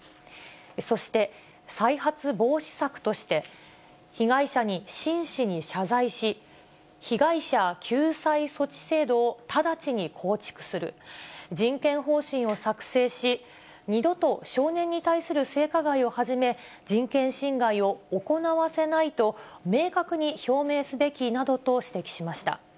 そして、再発防止策として、被害者に真摯に謝罪し、被害者救済措置制度を直ちに構築する、人権方針を作成し、二度と少年に対する性加害をはじめ、人権侵害を行わせないと、明確に表明すべきなどと指摘しました。